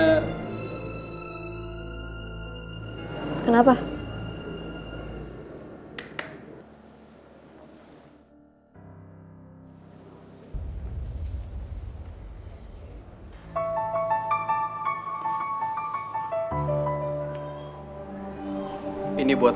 bisa ngerjain disini juga kan